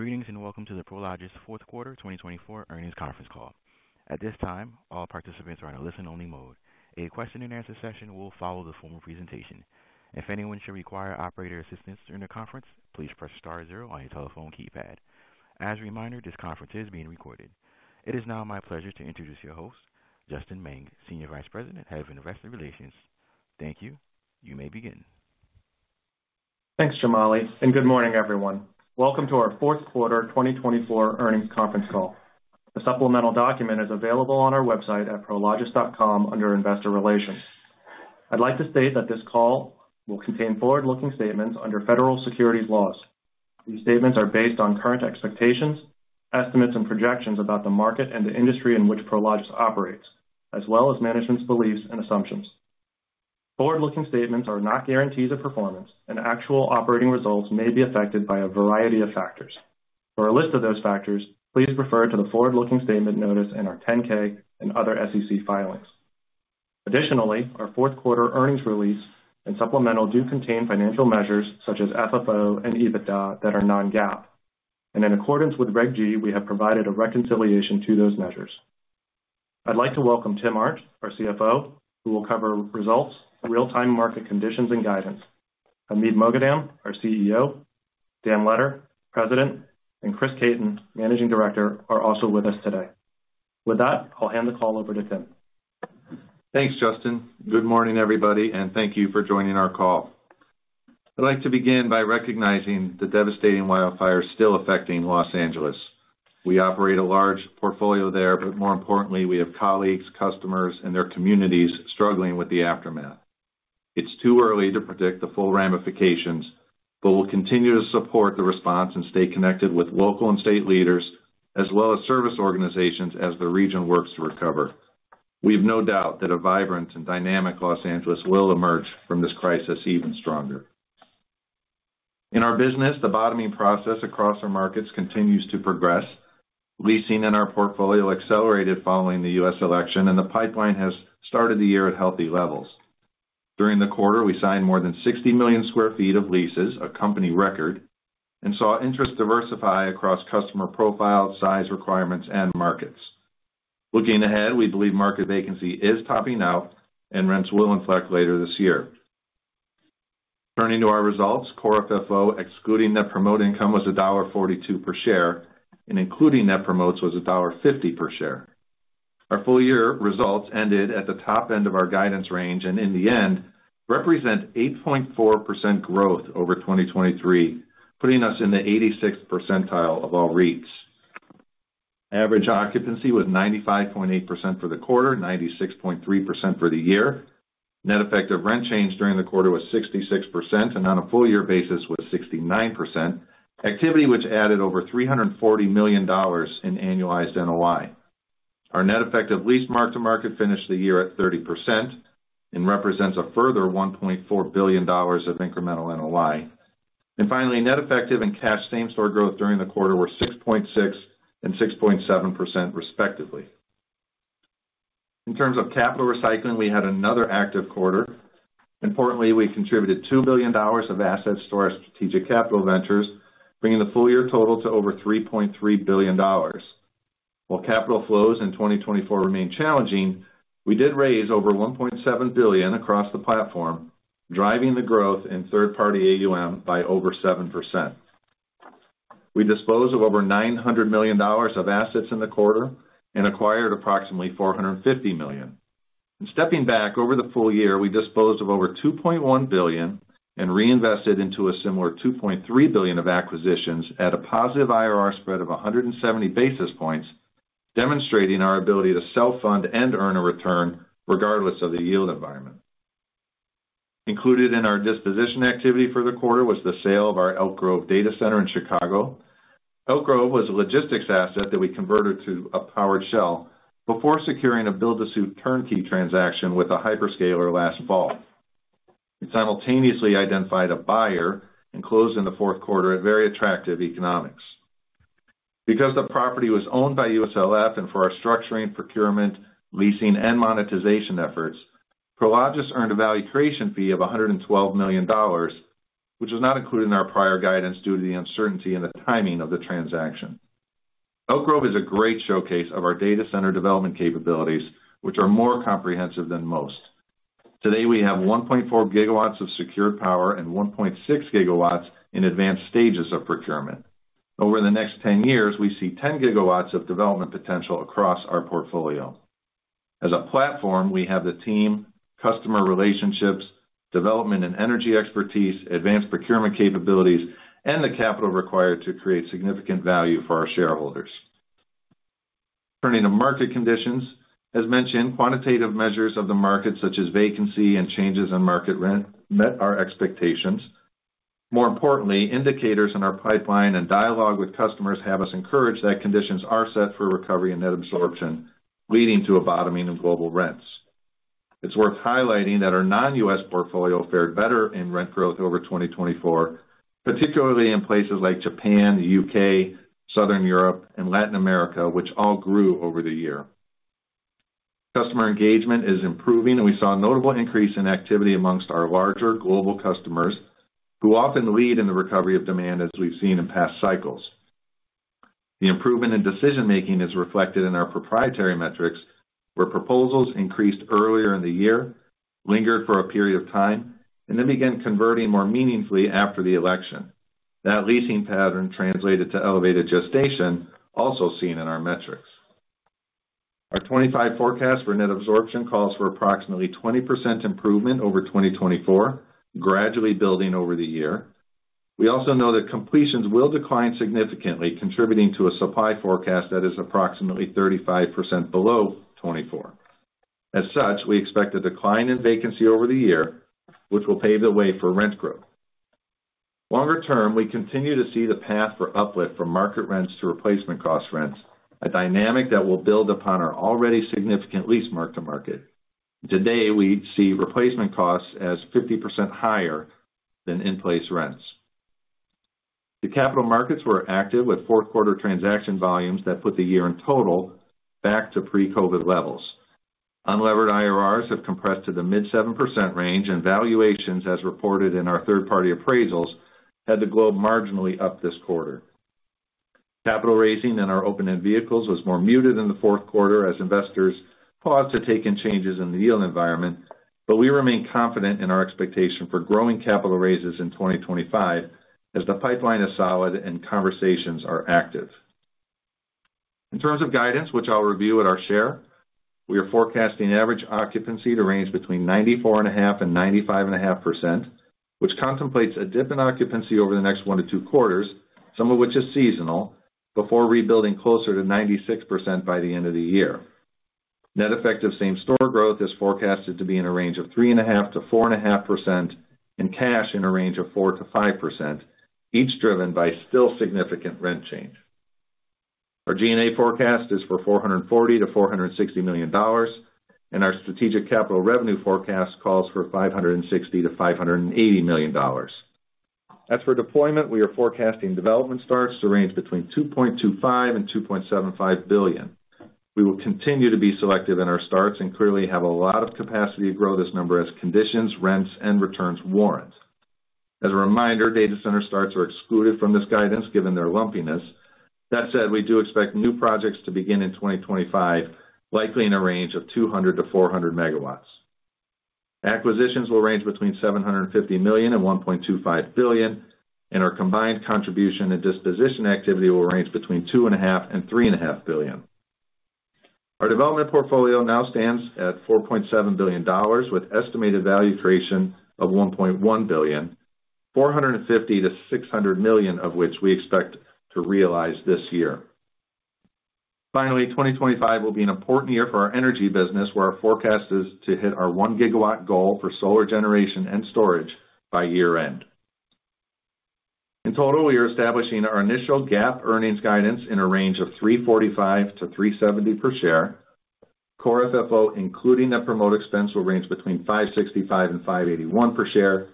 Greetings and welcome to the Prologis Fourth Quarter 2024 earnings conference call. At this time, all participants are in a listen-only mode. A question-and-answer session will follow the formal presentation. If anyone should require operator assistance during the conference, please press star zero on your telephone keypad. As a reminder, this conference is being recorded. It is now my pleasure to introduce your host, Justin Meng, Senior Vice President, Head of Investor Relations. Thank you. You may begin. Thanks, Shamali. And good morning, everyone. Welcome to our Fourth Quarter 2024 earnings conference call. The supplemental document is available on our website at prologis.com under Investor Relations. I'd like to state that this call will contain forward-looking statements under federal securities laws. These statements are based on current expectations, estimates, and projections about the market and the industry in which Prologis operates, as well as management's beliefs and assumptions. Forward-looking statements are not guarantees of performance, and actual operating results may be affected by a variety of factors. For a list of those factors, please refer to the forward-looking statement notice in our 10-K and other SEC filings. Additionally, our Fourth Quarter earnings release and supplemental do contain financial measures such as FFO and EBITDA that are non-GAAP. And in accordance with Reg G, we have provided a reconciliation to those measures. I'd like to welcome Tim Arndt, our CFO, who will cover results, real-time market conditions, and guidance. Hamid Moghadam, our CEO, Dan Letter, President, and Chris Caton, Managing Director, are also with us today. With that, I'll hand the call over to Tim. Thanks, Justin. Good morning, everybody, and thank you for joining our call. I'd like to begin by recognizing the devastating wildfire still affecting Los Angeles. We operate a large portfolio there, but more importantly, we have colleagues, customers, and their communities struggling with the aftermath. It's too early to predict the full ramifications, but we'll continue to support the response and stay connected with local and state leaders, as well as service organizations, as the region works to recover. We have no doubt that a vibrant and dynamic Los Angeles will emerge from this crisis even stronger. In our business, the bottoming process across our markets continues to progress. Leasing in our portfolio accelerated following the U.S. election, and the pipeline has started the year at healthy levels. During the quarter, we signed more than 60 million sq ft of leases, a company record, and saw interest diversify across customer profiles, size requirements, and markets. Looking ahead, we believe market vacancy is topping out, and rents will inflect later this year. Turning to our results, Core FFO excluding Net Promote Income was $1.42 per share, and including Net Promotes was $1.50 per share. Our full-year results ended at the top end of our guidance range and, in the end, represent 8.4% growth over 2023, putting us in the 86th percentile of all REITs. Average occupancy was 95.8% for the quarter, 96.3% for the year. Net effective rent change during the quarter was 66%, and on a full-year basis was 69%, activity which added over $340 million in annualized NOI. Our net effective lease mark-to-market finished the year at 30% and represents a further $1.4 billion of incremental NOI. Finally, net effective and cash same-store growth during the quarter were 6.6% and 6.7%, respectively. In terms of capital recycling, we had another active quarter. Importantly, we contributed $2 billion of assets to our strategic capital ventures, bringing the full-year total to over $3.3 billion. While capital flows in 2024 remain challenging, we did raise over $1.7 billion across the platform, driving the growth in third-party AUM by over 7%. We disposed of over $900 million of assets in the quarter and acquired approximately $450 million. Stepping back, over the full year, we disposed of over $2.1 billion and reinvested into a similar $2.3 billion of acquisitions at a positive IRR spread of 170 basis points, demonstrating our ability to self-fund and earn a return regardless of the yield environment. Included in our disposition activity for the quarter was the sale of our Elk Grove data center in Chicago. Elk Grove was a logistics asset that we converted to a powered shell before securing a build-to-suit turnkey transaction with a hyperscaler last fall. We simultaneously identified a buyer and closed in the fourth quarter at very attractive economics. Because the property was owned by USLF and for our structuring, procurement, leasing, and monetization efforts, Prologis earned a valuation fee of $112 million, which was not included in our prior guidance due to the uncertainty in the timing of the transaction. Elk Grove is a great showcase of our data center development capabilities, which are more comprehensive than most. Today, we have 1.4 GW of secured power and 1.6 gigawatts in advanced stages of procurement. Over the next 10 years, we see 10 GW of development potential across our portfolio. As a platform, we have the team, customer relationships, development and energy expertise, advanced procurement capabilities, and the capital required to create significant value for our shareholders. Turning to market conditions, as mentioned, quantitative measures of the market, such as vacancy and changes in market rent, met our expectations. More importantly, indicators in our pipeline and dialogue with customers have us encouraged that conditions are set for recovery and net absorption, leading to a bottoming of global rents. It's worth highlighting that our non-U.S. portfolio fared better in rent growth over 2024, particularly in places like Japan, the UK, Southern Europe, and Latin America, which all grew over the year. Customer engagement is improving, and we saw a notable increase in activity among our larger global customers, who often lead in the recovery of demand, as we've seen in past cycles. The improvement in decision-making is reflected in our proprietary metrics, where proposals increased earlier in the year, lingered for a period of time, and then began converting more meaningfully after the election. That leasing pattern translated to elevated gestation, also seen in our metrics. Our 2025 forecast for net absorption calls for approximately 20% improvement over 2024, gradually building over the year. We also know that completions will decline significantly, contributing to a supply forecast that is approximately 35% below 2024. As such, we expect a decline in vacancy over the year, which will pave the way for rent growth. Longer term, we continue to see the path for uplift from market rents to replacement cost rents, a dynamic that will build upon our already significant lease mark-to-market. Today, we see replacement costs as 50% higher than in-place rents. The capital markets were active with fourth-quarter transaction volumes that put the year in total back to pre-COVID levels. Unlevered IRRs have compressed to the mid-7% range, and valuations, as reported in our third-party appraisals, were marginally up globally this quarter. Capital raising in our open-end vehicles was more muted in the fourth quarter as investors paused to take in changes in the yield environment, but we remain confident in our expectation for growing capital raises in 2025 as the pipeline is solid and conversations are active. In terms of guidance, which I'll review in more detail, we are forecasting average occupancy to range between 94.5% and 95.5%, which contemplates a dip in occupancy over the next one to two quarters, some of which is seasonal, before rebuilding closer to 96% by the end of the year. Net effective same-store growth is forecasted to be in a range of 3.5%-4.5%, and cash in a range of 4%-5%, each driven by still significant rent change. Our G&A forecast is for $440 million-$460 million, and our strategic capital revenue forecast calls for $560 million-$580 million. As for deployment, we are forecasting development starts to range between $2.25 billion and $2.75 billion. We will continue to be selective in our starts and clearly have a lot of capacity to grow this number as conditions, rents, and returns warrant. As a reminder, data center starts are excluded from this guidance given their lumpiness. That said, we do expect new projects to begin in 2025, likely in a range of 200-400 megawatts. Acquisitions will range between $750 million and $1.25 billion, and our combined contribution and disposition activity will range between $2.5 billion and $3.5 billion. Our development portfolio now stands at $4.7 billion, with estimated value creation of $1.1 billion, $450 million to $600 million, of which we expect to realize this year. Finally, 2025 will be an important year for our energy business, where our forecast is to hit our 1 gigawatt goal for solar generation and storage by year-end. In total, we are establishing our initial GAAP earnings guidance in a range of $345 million to $370 million per share. Core FFO, including net promote expense, will range between $565 million and $581 million per share,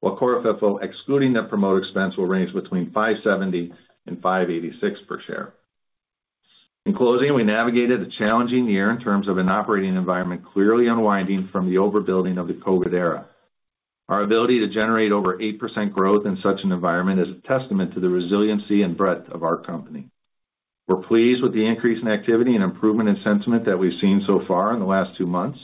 while core FFO, excluding net promote expense, will range between $570 million and $586 million per share. In closing, we navigated a challenging year in terms of an operating environment clearly unwinding from the overbuilding of the COVID era. Our ability to generate over 8% growth in such an environment is a testament to the resiliency and breadth of our company. We're pleased with the increase in activity and improvement in sentiment that we've seen so far in the last two months,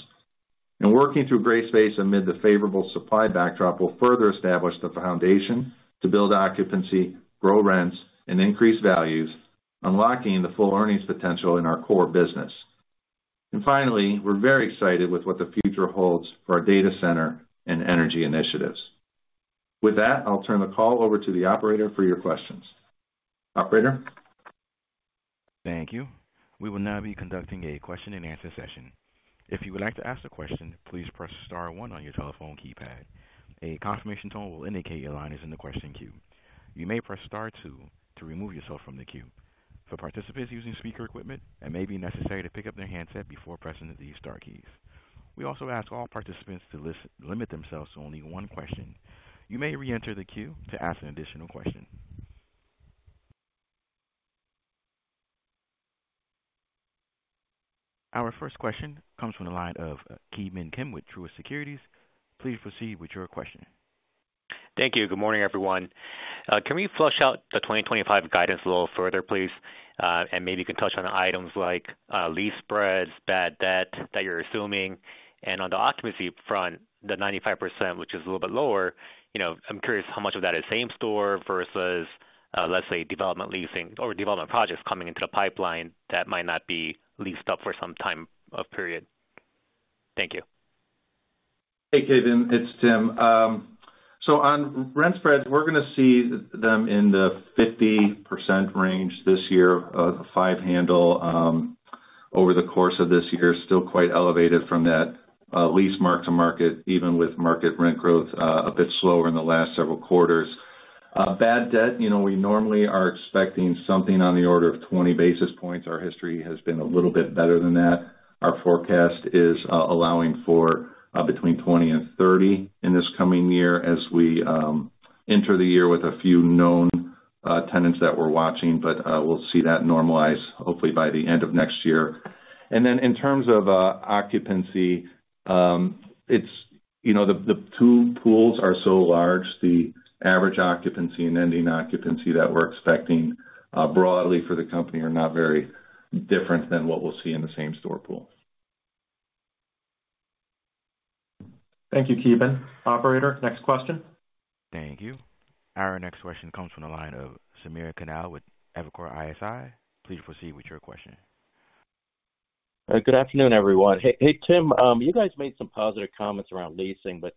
and working through gray space amid the favorable supply backdrop will further establish the foundation to build occupancy, grow rents, and increase values, unlocking the full earnings potential in our core business, and finally, we're very excited with what the future holds for our data center and energy initiatives. With that, I'll turn the call over to the operator for your questions. Operator. Thank you. We will now be conducting a question-and-answer session. If you would like to ask a question, please press Star 1 on your telephone keypad. A confirmation tone will indicate your line is in the question queue. You may press Star two to remove yourself from the queue. For participants using speaker equipment, it may be necessary to pick up their handset before pressing the star keys. We also ask all participants to limit themselves to only one question. You may re-enter the queue to ask an additional question. Our first question comes from the line of Ki Bin Kim, Truist Securities. Please proceed with your question. Thank you. Good morning, everyone. Can we flesh out the 2025 guidance a little further, please? And maybe you can touch on items like lease spreads, bad debt that you're assuming. And on the occupancy front, the 95%, which is a little bit lower, I'm curious how much of that is same-store versus, let's say, development leasing or development projects coming into the pipeline that might not be leased up for some time of period. Thank you. Hey, Ki Bin. It's Tim. So on rent spreads, we're going to see them in the 50% range this year, a five-handle over the course of this year, still quite elevated from that lease mark-to-market, even with market rent growth a bit slower in the last several quarters. Bad debt, we normally are expecting something on the order of 20 basis points. Our history has been a little bit better than that. Our forecast is allowing for between 20 and 30 in this coming year as we enter the year with a few known tenants that we're watching, but we'll see that normalize, hopefully, by the end of next year. And then in terms of occupancy, the two pools are so large, the average occupancy and ending occupancy that we're expecting broadly for the company are not very different than what we'll see in the same-store pool. Thank you, Ki Bin. Operator, next question. Thank you. Our next question comes from the line of Samir Khanal with Evercore ISI. Please proceed with your question. Good afternoon, everyone. Hey, Tim, you guys made some positive comments around leasing, but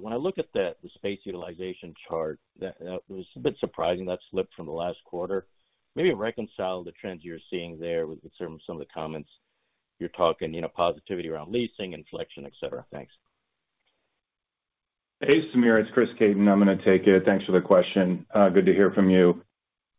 when I look at the space utilization chart, it was a bit surprising, that slip from the last quarter. Maybe reconcile the trends you're seeing there with some of the comments. You're talking positivity around leasing, inflection, etc. Thanks. Hey, Samir, it's Chris Caton. I'm going to take it. Thanks for the question. Good to hear from you.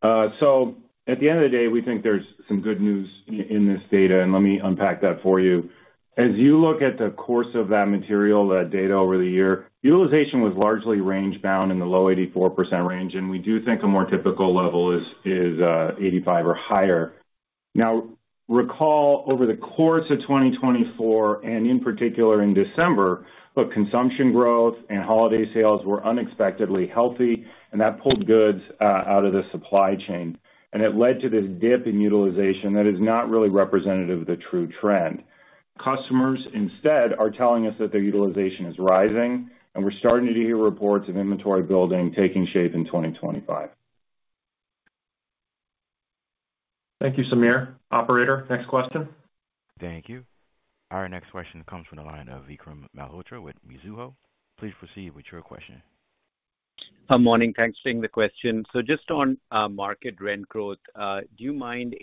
So at the end of the day, we think there's some good news in this data, and let me unpack that for you. As you look at the course of that material, that data over the year, utilization was largely range-bound in the low 84% range, and we do think a more typical level is 85% or higher. Now, recall over the course of 2024, and in particular in December, consumption growth and holiday sales were unexpectedly healthy, and that pulled goods out of the supply chain. And it led to this dip in utilization that is not really representative of the true trend. Customers, instead, are telling us that their utilization is rising, and we're starting to hear reports of inventory building taking shape in 2025. Thank you, Samir. Operator, next question. Thank you. Our next question comes from the line of Vikram Malhotra with Mizuho. Please proceed with your question. Good morning. Thanks for taking the question. So just on market rent growth, do you mind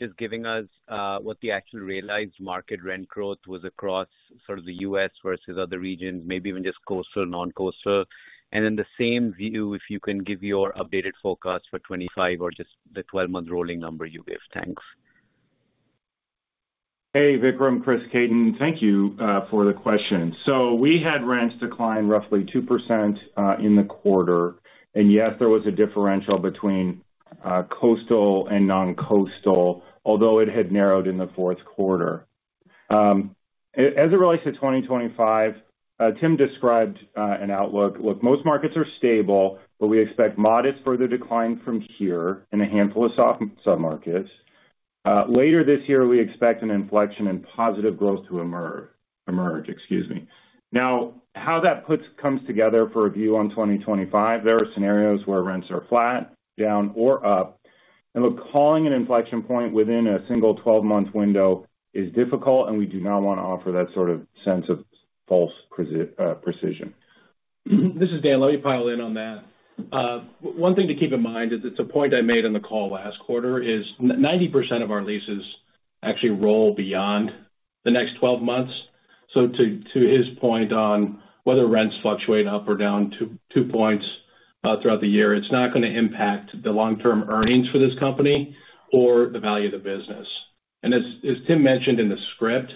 just giving us what the actual realized market rent growth was across sort of the U.S. versus other regions, maybe even just coastal, non-coastal? And in the same view, if you can give your updated forecast for 2025 or just the 12-month rolling number you give. Thanks. Hey, Vikram, Chris Caton, thank you for the question. So we had rents decline roughly 2% in the quarter. And yes, there was a differential between coastal and non-coastal, although it had narrowed in the fourth quarter. As it relates to 2025, Tim described an outlook. Look, most markets are stable, but we expect modest further decline from here and a handful of sub-markets. Later this year, we expect an inflection and positive growth to emerge. Now, how that comes together for a view on 2025, there are scenarios where rents are flat, down, or up. And look, calling an inflection point within a single 12-month window is difficult, and we do not want to offer that sort of sense of false precision. This is Dan. Let me pile in on that. One thing to keep in mind is it's a point I made in the call last quarter is 90% of our leases actually roll beyond the next 12 months. So to his point on whether rents fluctuate up or down two points throughout the year, it's not going to impact the long-term earnings for this company or the value of the business. And as Tim mentioned in the script,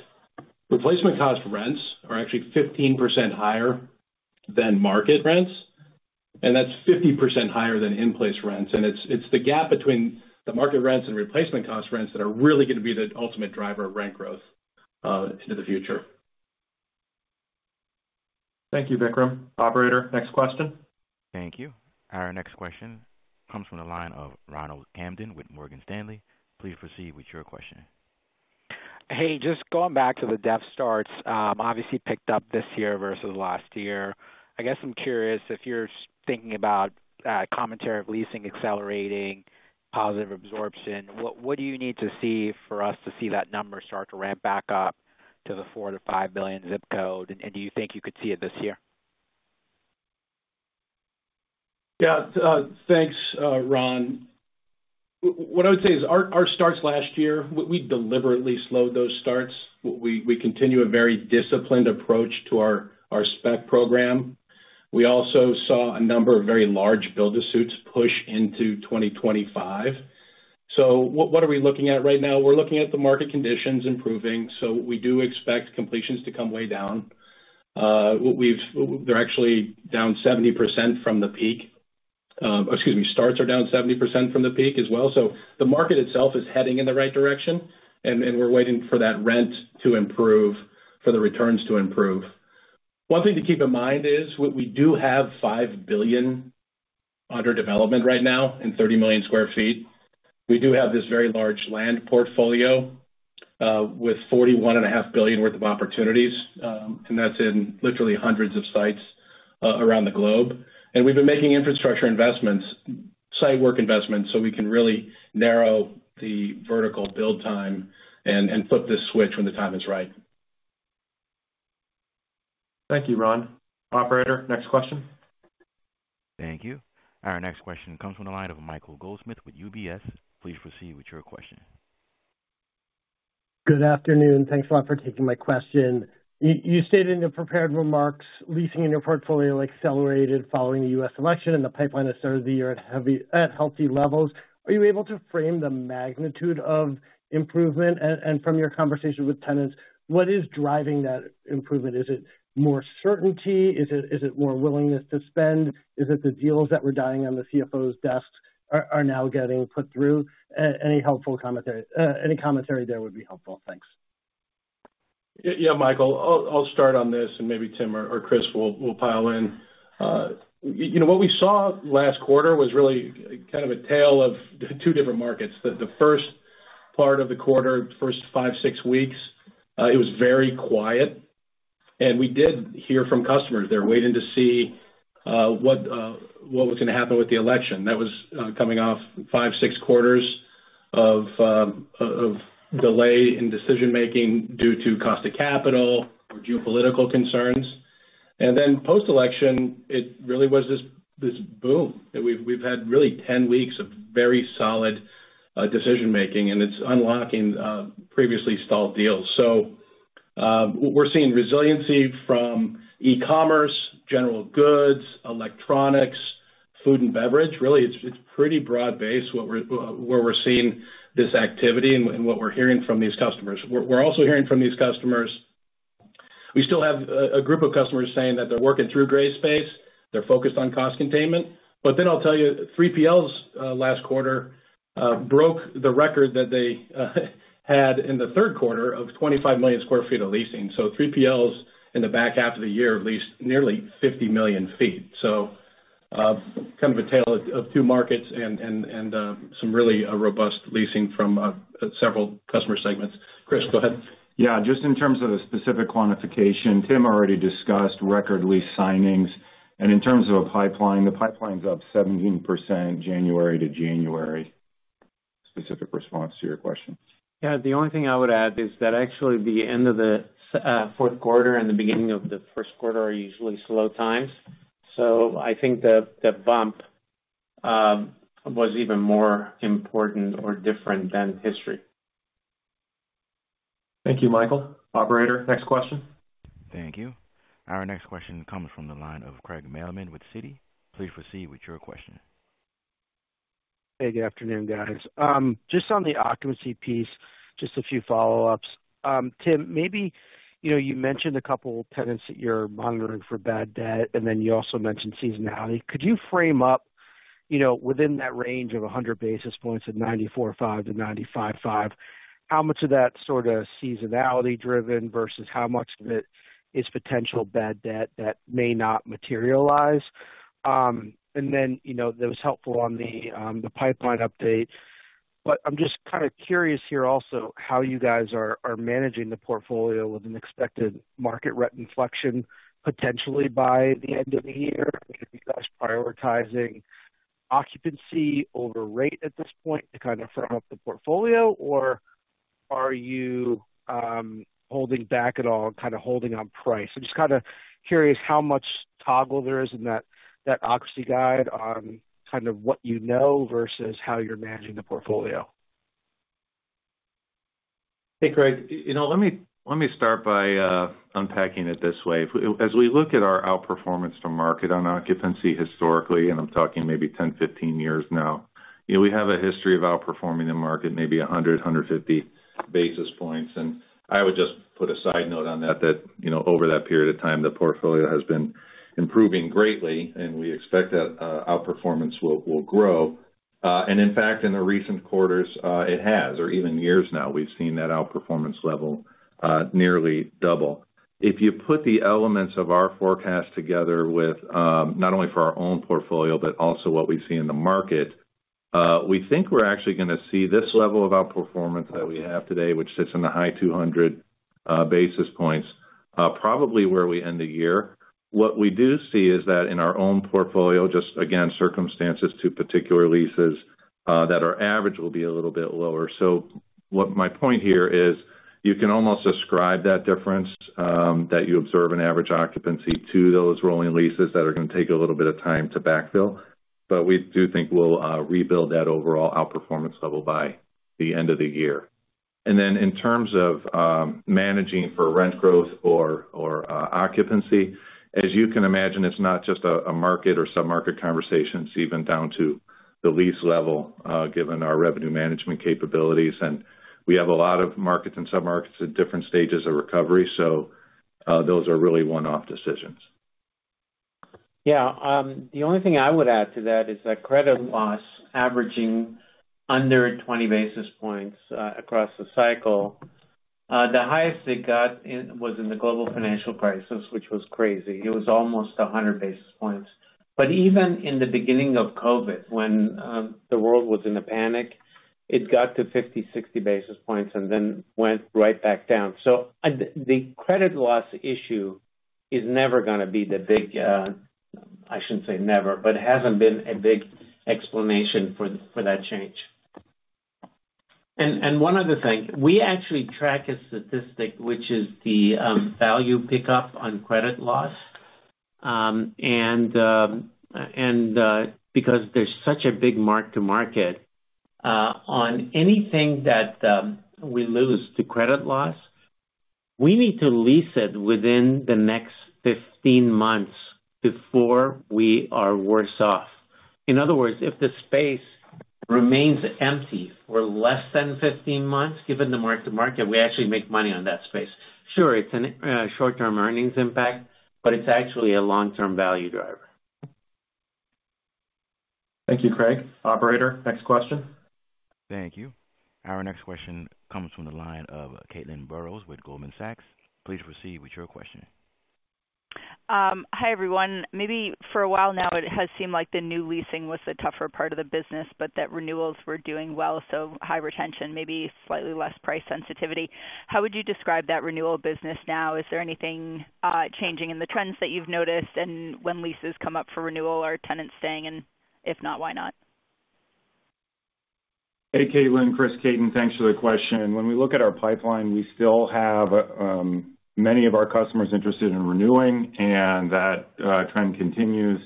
replacement cost rents are actually 15% higher than market rents, and that's 50% higher than in-place rents. And it's the GAAP between the market rents and replacement cost rents that are really going to be the ultimate driver of rent growth into the future. Thank you, Vikram. Operator, next question. Thank you. Our next question comes from the line of Ronald Kamdem with Morgan Stanley. Please proceed with your question. Hey, just going back to the development starts, obviously picked up this year versus last year. I guess I'm curious if you're thinking about commentary of leasing accelerating, positive absorption, what do you need to see for us to see that number start to ramp back up to the $4 billion-$5 billion zip code? And do you think you could see it this year? Yeah. Thanks, Ron. What I would say is our starts last year, we deliberately slowed those starts. We continue a very disciplined approach to our spec program. We also saw a number of very large build-to-suits push into 2025. So what are we looking at right now? We're looking at the market conditions improving. So we do expect completions to come way down. They're actually down 70% from the peak. Excuse me, starts are down 70% from the peak as well. So the market itself is heading in the right direction, and we're waiting for that rent to improve, for the returns to improve. One thing to keep in mind is we do have $5 billion under development right now and 30 million sq ft. We do have this very large land portfolio with $41.5 billion worth of opportunities, and that's in literally hundreds of sites around the globe. We've been making infrastructure investments, site work investments, so we can really narrow the vertical build time and flip this switch when the time is right. Thank you, Ron. Operator, next question. Thank you. Our next question comes from the line of Michael Goldsmith with UBS. Please proceed with your question. Good afternoon. Thanks a lot for taking my question. You stated in the prepared remarks, leasing in your portfolio accelerated following the U.S. election and the pipeline has started the year at healthy levels. Are you able to frame the magnitude of improvement? And from your conversation with tenants, what is driving that improvement? Is it more certainty? Is it more willingness to spend? Is it the deals that were dying on the CFO's desk are now getting put through? Any helpful commentary there would be helpful. Thanks. Yeah, Michael, I'll start on this, and maybe Tim or Chris will pile in. What we saw last quarter was really kind of a tale of two different markets. The first part of the quarter, first five, six weeks, it was very quiet. And we did hear from customers. They're waiting to see what was going to happen with the election. That was coming off five, six quarters of delay in decision-making due to cost of capital or geopolitical concerns. And then post-election, it really was this boom. We've had really 10 weeks of very solid decision-making, and it's unlocking previously stalled deals. So we're seeing resiliency from e-commerce, general goods, electronics, food and beverage. Really, it's pretty broad-based where we're seeing this activity and what we're hearing from these customers. We're also hearing from these customers. We still have a group of customers saying that they're working through gray space. They're focused on cost containment. But then I'll tell you, 3PLs last quarter broke the record that they had in the third quarter of 25 million sq ft of leasing. So 3PLs in the back half of the year leased nearly 50 million sq ft. So kind of a tale of two markets and some really robust leasing from several customer segments. Chris, go ahead. Yeah. Just in terms of the specific quantification, Tim already discussed record lease signings. And in terms of a pipeline, the pipeline's up 17% January to January. Specific response to your question. Yeah. The only thing I would add is that actually the end of the fourth quarter and the beginning of the first quarter are usually slow times. So I think the bump was even more important or different than history. Thank you, Michael. Operator, next question. Thank you. Our next question comes from the line of Craig Mailman with Citi. Please proceed with your question. Hey, good afternoon, guys. Just on the occupancy piece, just a few follow-ups. Tim, maybe you mentioned a couple of tenants that you're monitoring for bad debt, and then you also mentioned seasonality. Could you frame up within that range of 100 basis points of 94.5%-95.5%, how much of that sort of seasonality-driven versus how much of it is potential bad debt that may not materialize? And then that was helpful on the pipeline update. But I'm just kind of curious here also how you guys are managing the portfolio with an expected market rent inflection potentially by the end of the year. Are you guys prioritizing occupancy over rate at this point to kind of firm up the portfolio, or are you holding back at all and kind of holding on price? I'm just kind of curious how much toggle there is in that occupancy guide on kind of what you know versus how you're managing the portfolio? Hey, Craig. Let me start by unpacking it this way. As we look at our outperformance to market on occupancy historically, and I'm talking maybe 10, 15 years now, we have a history of outperforming the market maybe 100-150 basis points. And I would just put a side note on that, that over that period of time, the portfolio has been improving greatly, and we expect that outperformance will grow. And in fact, in the recent quarters, it has, or even years now, we've seen that outperformance level nearly double. If you put the elements of our forecast together with not only for our own portfolio, but also what we see in the market, we think we're actually going to see this level of outperformance that we have today, which sits in the high 200 basis points, probably where we end the year. What we do see is that in our own portfolio, just again, circumstances to particular leases that are average will be a little bit lower. So my point here is you can almost ascribe that difference that you observe in average occupancy to those rolling leases that are going to take a little bit of time to backfill, but we do think we'll rebuild that overall outperformance level by the end of the year, and then in terms of managing for rent growth or occupancy, as you can imagine, it's not just a market or sub-market conversation. It's even down to the lease level given our revenue management capabilities, and we have a lot of markets and sub-markets at different stages of recovery, so those are really one-off decisions. Yeah. The only thing I would add to that is that credit loss averaging under 20 basis points across the cycle. The highest it got was in the global financial crisis, which was crazy. It was almost 100 basis points. But even in the beginning of COVID, when the world was in a panic, it got to 50-60 basis points and then went right back down. So the credit loss issue is never going to be the big. I shouldn't say never, but it hasn't been a big explanation for that change. And one other thing, we actually track a statistic, which is the value pickup on credit loss. And because there's such a big mark-to-market on anything that we lose to credit loss, we need to lease it within the next 15 months before we are worse off. In other words, if the space remains empty for less than 15 months, given the mark-to-market, we actually make money on that space. Sure, it's a short-term earnings impact, but it's actually a long-term value driver. Thank you, Craig. Operator, next question. Thank you. Our next question comes from the line of Caitlin Burrows with Goldman Sachs. Please proceed with your question. Hi, everyone. Maybe for a while now, it has seemed like the new leasing was the tougher part of the business, but that renewals were doing well, so high retention, maybe slightly less price sensitivity. How would you describe that renewal business now? Is there anything changing in the trends that you've noticed? And when leases come up for renewal, are tenants staying? And if not, why not? Hey, Caitlin, Chris, thanks for the question. When we look at our pipeline, we still have many of our customers interested in renewing, and that trend continues,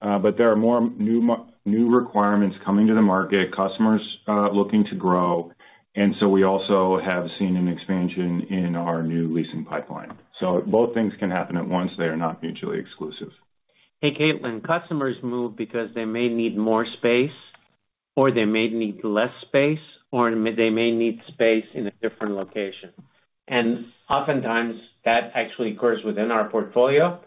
but there are more new requirements coming to the market, customers looking to grow, and so we also have seen an expansion in our new leasing pipeline, so both things can happen at once. They are not mutually exclusive. Hey, Caitlin, customers move because they may need more space, or they may need less space, or they may need space in a different location. And oftentimes, that actually occurs within our portfolio.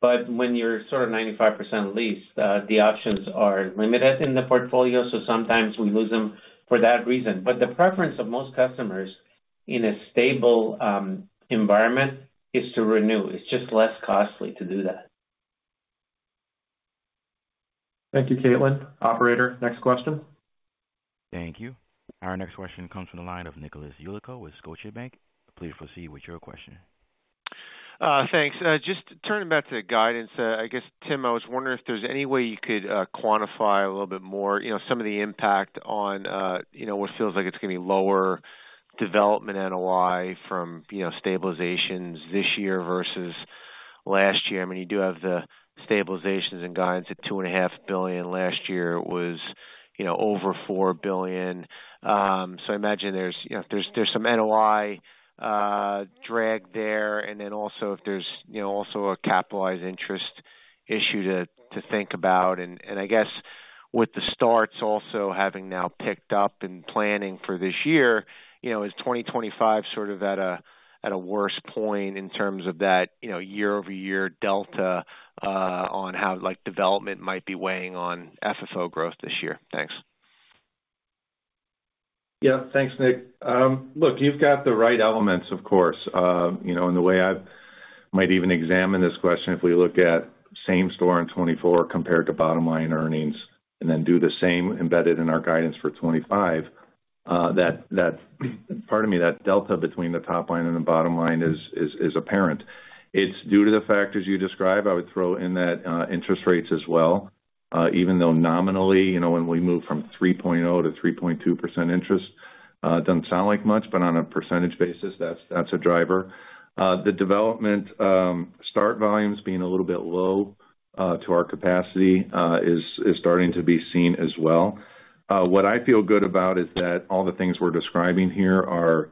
But when you're sort of 95% leased, the options are limited in the portfolio. So sometimes we lose them for that reason. But the preference of most customers in a stable environment is to renew. It's just less costly to do that. Thank you, Caitlin. Operator, next question. Thank you. Our next question comes from the line of Nicholas Yulico with Scotiabank. Please proceed with your question. Thanks. Just turning back to the guidance, I guess, Tim, I was wondering if there's any way you could quantify a little bit more some of the impact on what feels like it's going to be lower development NOI from stabilizations this year versus last year. I mean, you do have the stabilizations and guidance at $2.5 billion. Last year was over $4 billion. So I imagine there's some NOI drag there. And then also if there's also a capitalized interest issue to think about. And I guess with the starts also having now picked up and planning for this year, is 2025 sort of at a worse point in terms of that year-over-year delta on how development might be weighing on FFO growth this year? Thanks. Yeah. Thanks, Nick. Look, you've got the right elements, of course, and the way I might even examine this question, if we look at same store in 2024 compared to bottom line earnings and then do the same embedded in our guidance for 2025, that, pardon me, that delta between the top line and the bottom line is apparent. It's due to the factors you describe. I would throw in that interest rates as well, even though nominally, when we move from 3.0 to 3.2% interest, it doesn't sound like much, but on a percentage basis, that's a driver. The development start volumes being a little bit low to our capacity is starting to be seen as well. What I feel good about is that all the things we're describing here are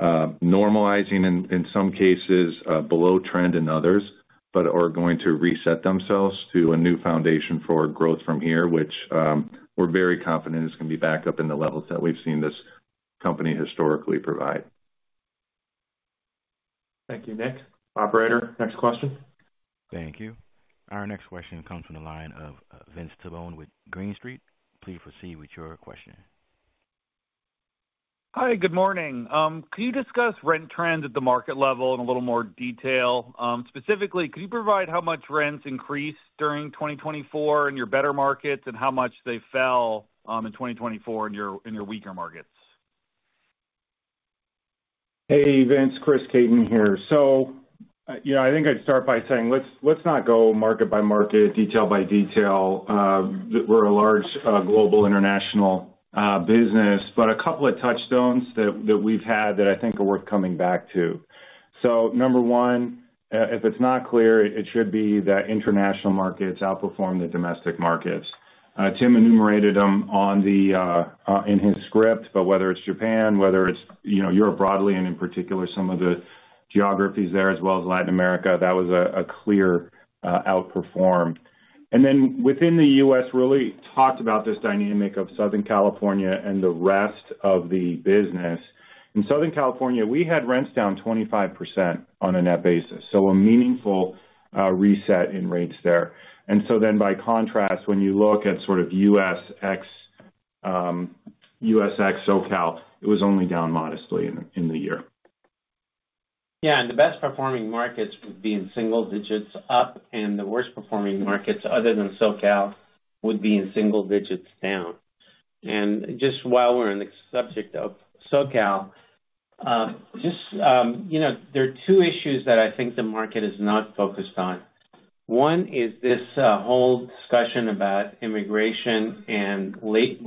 normalizing in some cases below trend in others, but are going to reset themselves to a new foundation for growth from here, which we're very confident is going to be back up in the levels that we've seen this company historically provide. Thank you, Nick. Operator, next question. Thank you. Our next question comes from the line of Vincent Tabone with Green Street. Please proceed with your question. Hi, good morning. Can you discuss rent trends at the market level in a little more detail? Specifically, could you provide how much rents increased during 2024 in your better markets and how much they fell in 2024 in your weaker markets? Hey, Vince, Chris Caton here. So I think I'd start by saying let's not go market by market, detail by detail. We're a large global international business, but a couple of touchstones that we've had that I think are worth coming back to. So number one, if it's not clear, it should be that international markets outperform the domestic markets. Tim enumerated them in his script, but whether it's Japan, whether it's Europe broadly, and in particular, some of the geographies there, as well as Latin America, that was a clear outperform. And then within the U.S., really talked about this dynamic of Southern California and the rest of the business. In Southern California, we had rents down 25% on a net basis. So a meaningful reset in rates there. By contrast, when you look at sort of USX, SoCal, it was only down modestly in the year. Yeah. And the best-performing markets would be in single digits up, and the worst-performing markets, other than SoCal, would be in single digits down. And just while we're on the subject of SoCal, just there are two issues that I think the market is not focused on. One is this whole discussion about immigration and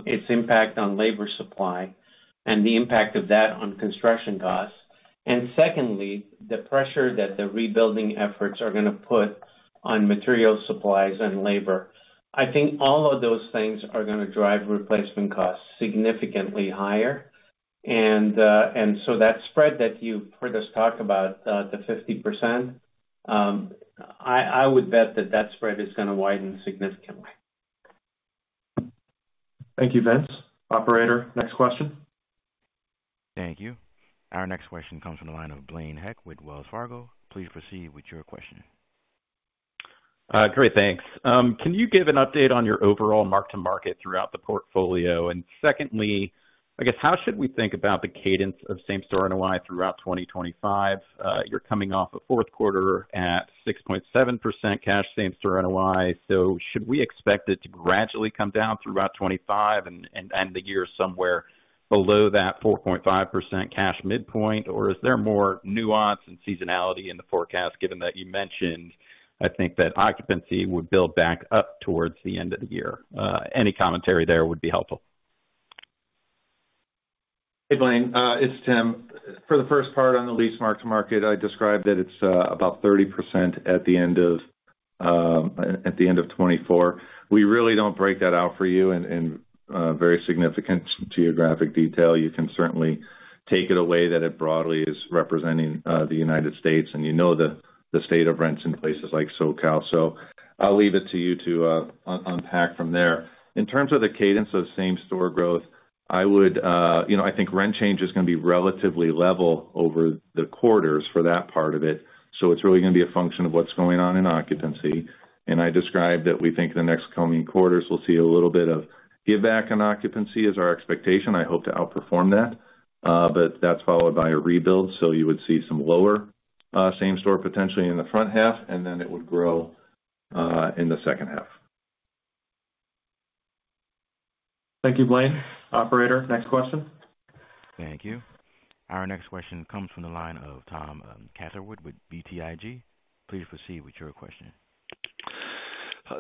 its impact on labor supply and the impact of that on construction costs. And secondly, the pressure that the rebuilding efforts are going to put on material supplies and labor. I think all of those things are going to drive replacement costs significantly higher. And so that spread that you just talked about, the 50%, I would bet that that spread is going to widen significantly. Thank you, Vince. Operator, next question. Thank you. Our next question comes from the line of Blaine Heck with Wells Fargo. Please proceed with your question. Great. Thanks. Can you give an update on your overall mark-to-market throughout the portfolio? And secondly, I guess, how should we think about the cadence of same store NOI throughout 2025? You're coming off a fourth quarter at 6.7% cash same store NOI. So should we expect it to gradually come down throughout 2025 and end the year somewhere below that 4.5% cash midpoint, or is there more nuance and seasonality in the forecast, given that you mentioned, I think, that occupancy would build back up towards the end of the year? Any commentary there would be helpful. Hey, Blaine. It's Tim. For the first part on the lease mark-to-market, I described that it's about 30% at the end of 2024. We really don't break that out for you in very significant geographic detail. You can certainly take it away that it broadly is representing the United States, and you know the state of rents in places like SoCal. So I'll leave it to you to unpack from there. In terms of the cadence of same store growth, I think rent change is going to be relatively level over the quarters for that part of it. So it's really going to be a function of what's going on in occupancy, and I described that we think in the next coming quarters, we'll see a little bit of give back on occupancy is our expectation. I hope to outperform that, but that's followed by a rebuild. So you would see some lower same store potentially in the front half, and then it would grow in the second half. Thank you, Blaine. Operator, next question. Thank you. Our next question comes from the line of Tom Catherwood with BTIG. Please proceed with your question.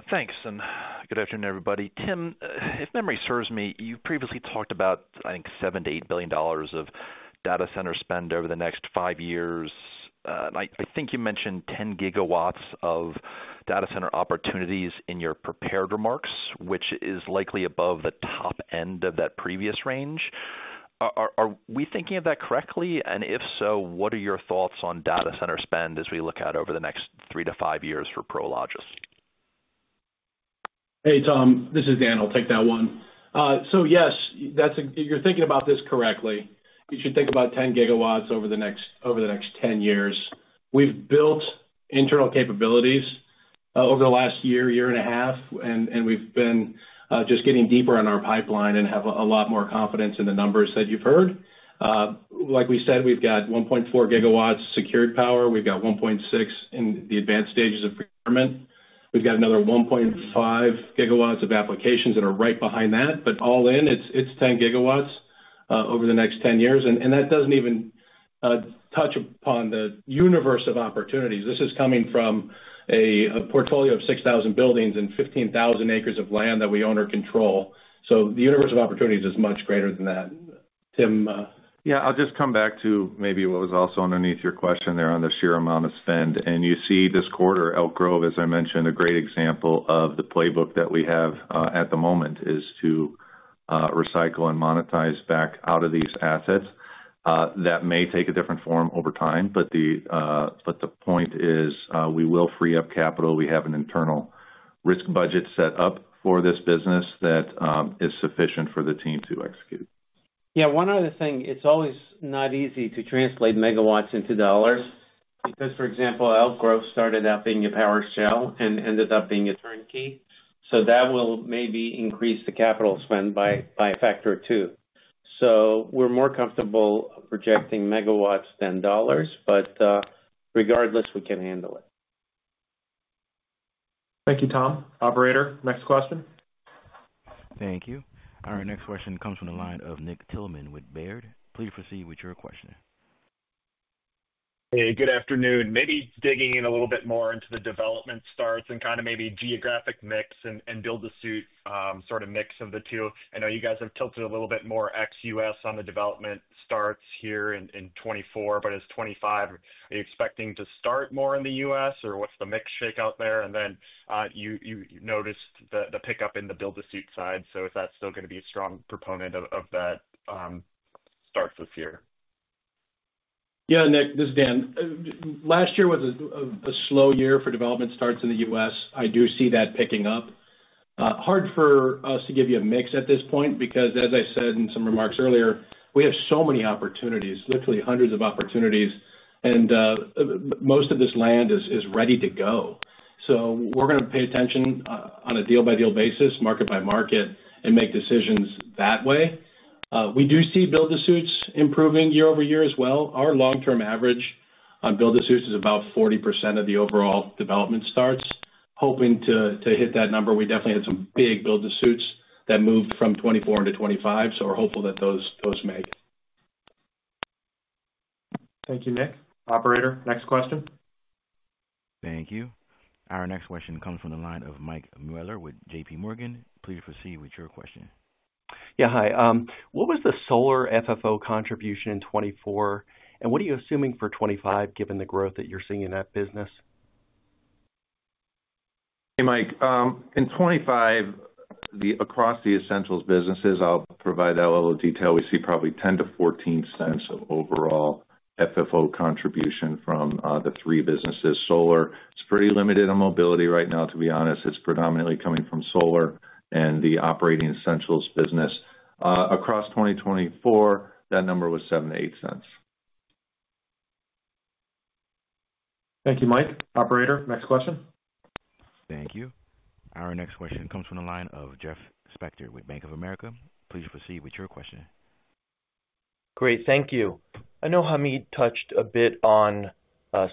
Thanks. And good afternoon, everybody. Tim, if memory serves me, you previously talked about, I think, $7-$8 billion of data center spend over the next five years. I think you mentioned 10 gigawatts of data center opportunities in your prepared remarks, which is likely above the top end of that previous range. Are we thinking of that correctly? And if so, what are your thoughts on data center spend as we look out over the next three to five years for Prologis? Hey, Tom, this is Dan. I'll take that one, so yes, you're thinking about this correctly. You should think about 10 gigawatts over the next 10 years. We've built internal capabilities over the last year, year and a half, and we've been just getting deeper on our pipeline and have a lot more confidence in the numbers that you've heard. Like we said, we've got 1.4 gigawatts secured power. We've got 1.6 in the advanced stages of procurement. We've got another 1.5 gigawatts of applications that are right behind that. But all in, it's 10 gigawatts over the next 10 years. And that doesn't even touch upon the universe of opportunities. This is coming from a portfolio of 6,000 buildings and 15,000 acres of land that we own or control. So the universe of opportunities is much greater than that. Tim. Yeah. I'll just come back to maybe what was also underneath your question there on the sheer amount of spend. And you see this quarter, Elk Grove, as I mentioned, a great example of the playbook that we have at the moment is to recycle and monetize back out of these assets. That may take a different form over time, but the point is we will free up capital. We have an internal risk budget set up for this business that is sufficient for the team to execute. Yeah. One other thing, it's always not easy to translate megawatts into dollars because, for example, Elk Grove started out being a powered shell and ended up being a turnkey. So that will maybe increase the capital spend by a factor or two. So we're more comfortable projecting megawatts than dollars, but regardless, we can handle it. Thank you, Tom. Operator, next question. Thank you. Our next question comes from the line of Nick Thillman with Baird. Please proceed with your question. Hey, good afternoon. Maybe digging in a little bit more into the development starts and kind of maybe geographic mix and build-to-suit sort of mix of the two. I know you guys have tilted a little bit more ex-U.S. on the development starts here in 2024, but in 2025 are you expecting to start more in the U.S., or what's the mix shake out there? And then you noticed the pickup in the build-to-suit side. So is that still going to be a strong component of the starts this year? Yeah, Nick, this is Dan. Last year was a slow year for development starts in the U.S. I do see that picking up. Hard for us to give you a mix at this point because, as I said in some remarks earlier, we have so many opportunities, literally hundreds of opportunities, and most of this land is ready to go. So we're going to pay attention on a deal-by-deal basis, market-by-market, and make decisions that way. We do see build-to-suits improving year over year as well. Our long-term average on build-to-suits is about 40% of the overall development starts. Hoping to hit that number. We definitely had some big build-to-suits that moved from 2024 into 2025, so we're hopeful that those may. Thank you, Nick. Operator, next question. Thank you. Our next question comes from the line of Mike Mueller with JP Morgan. Please proceed with your question. Yeah. Hi. What was the solar FFO contribution in 2024, and what are you assuming for 2025 given the growth that you're seeing in that business? Hey, Mike. In 2025, across the essentials businesses, I'll provide that level of detail. We see probably $0.10-$0.14 of overall FFO contribution from the three businesses. Solar is pretty limited in mobility right now, to be honest. It's predominantly coming from solar and the operating essentials business. Across 2024, that number was $0.07-$0.08. Thank you, Mike. Operator, next question. Thank you. Our next question comes from the line of Jeff Spector with Bank of America. Please proceed with your question. Great. Thank you. I know Hamid touched a bit on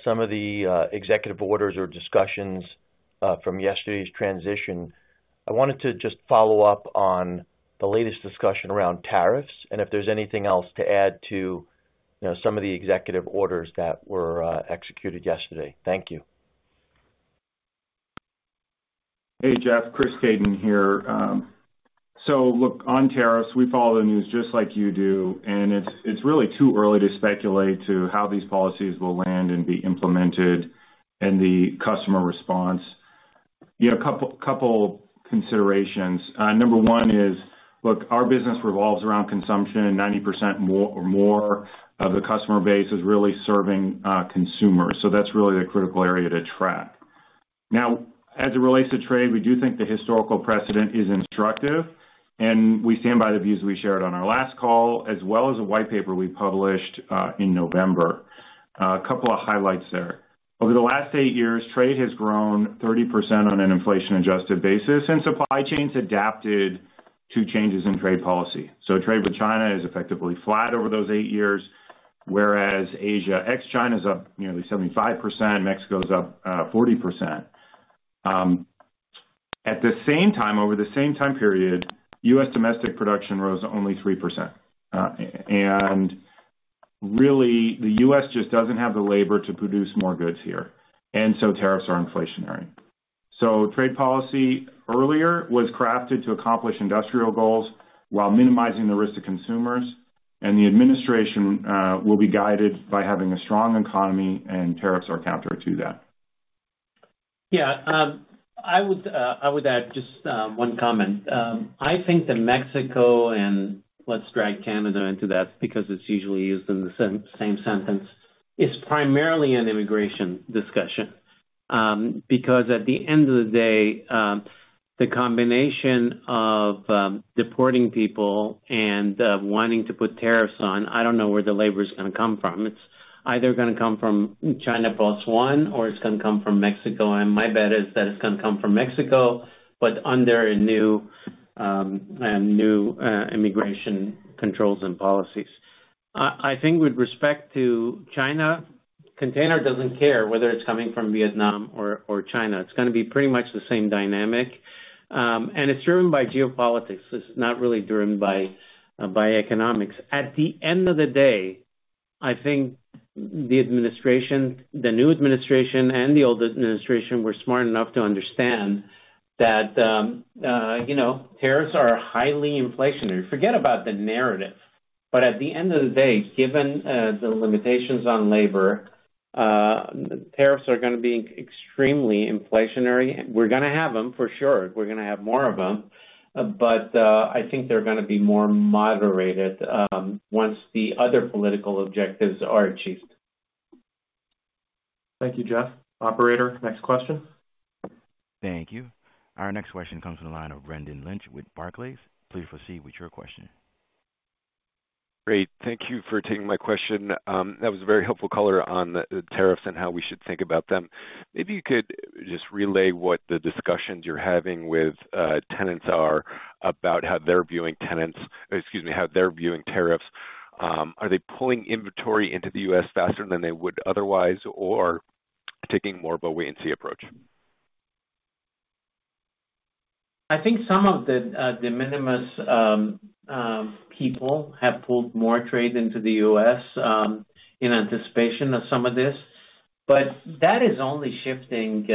some of the executive orders or discussions from yesterday's transition. I wanted to just follow up on the latest discussion around tariffs and if there's anything else to add to some of the executive orders that were executed yesterday. Thank you. Hey, Jeff, Chris Caton here. So look, on tariffs, we follow the news just like you do, and it's really too early to speculate to how these policies will land and be implemented and the customer response. A couple of considerations. Number one is, look, our business revolves around consumption. 90% or more of the customer base is really serving consumers. So that's really the critical area to track. Now, as it relates to trade, we do think the historical precedent is instructive, and we stand by the views we shared on our last call, as well as a white paper we published in November. A couple of highlights there. Over the last eight years, trade has grown 30% on an inflation-adjusted basis, and supply chains adapted to changes in trade policy, so trade with China is effectively flat over those eight years, whereas Asia, ex-China, is up nearly 75%. Mexico is up 40%. At the same time, over the same time period, U.S. domestic production rose only 3%. And really, the U.S. just doesn't have the labor to produce more goods here. And so tariffs are inflationary. So trade policy earlier was crafted to accomplish industrial goals while minimizing the risk to consumers. And the administration will be guided by having a strong economy, and tariffs are counter to that. Yeah. I would add just one comment. I think that Mexico and let's drag Canada into that because it's usually used in the same sentence. It's primarily an immigration discussion because at the end of the day, the combination of deporting people and wanting to put tariffs on, I don't know where the labor is going to come from. It's either going to come from China plus one, or it's going to come from Mexico. My bet is that it's going to come from Mexico, but under new immigration controls and policies. I think with respect to China, container doesn't care whether it's coming from Vietnam or China. It's going to be pretty much the same dynamic. It's driven by geopolitics. It's not really driven by economics. At the end of the day, I think the administration, the new administration and the old administration were smart enough to understand that tariffs are highly inflationary. Forget about the narrative. But at the end of the day, given the limitations on labor, tariffs are going to be extremely inflationary. We're going to have them for sure. We're going to have more of them. But I think they're going to be more moderated once the other political objectives are achieved. Thank you, Jeff. Operator, next question. Thank you. Our next question comes from the line of Brendan Lynch with Barclays. Please proceed with your question. Great. Thank you for taking my question. That was a very helpful color on the tariffs and how we should think about them. Maybe you could just relay what the discussions you're having with tenants are about how they're viewing tenants or, excuse me, how they're viewing tariffs. Are they pulling inventory into the U.S. faster than they would otherwise, or taking more of a wait-and-see approach? I think some of the de minimis people have pulled more trade into the U.S. in anticipation of some of this. But that is only shifting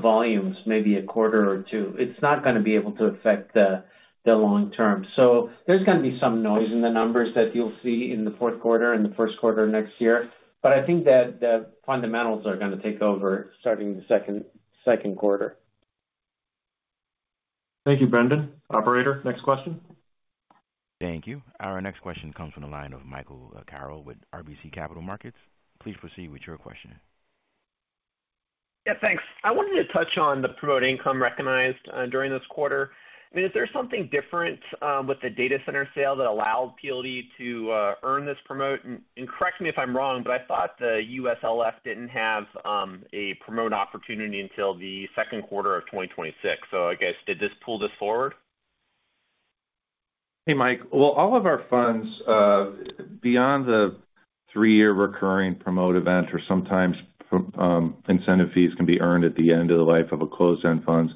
volumes, maybe a quarter or two. It's not going to be able to affect the long term. So there's going to be some noise in the numbers that you'll see in the fourth quarter and the first quarter next year. But I think that the fundamentals are going to take over starting the second quarter. Thank you, Brendan. Operator, next question. Thank you. Our next question comes from the line of Michael Carroll with RBC Capital Markets. Please proceed with your question. Yeah, thanks. I wanted to touch on the promote income recognized during this quarter. I mean, is there something different with the data center sale that allowed PLD to earn this promote? And correct me if I'm wrong, but I thought the USLF didn't have a promote opportunity until the second quarter of 2026. So I guess, did this pull this forward? Hey, Mike. Well, all of our funds, beyond the three-year recurring promote event or sometimes incentive fees, can be earned at the end of the life of a closed-end fund.